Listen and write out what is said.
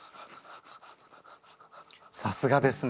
さすがですね。